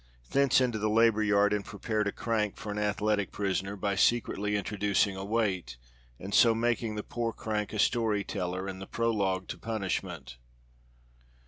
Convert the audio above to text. Thence into the labor yard, and prepared a crank for an athletic prisoner by secretly introducing a weight, and so making the poor crank a story teller, and the prologue to punishment.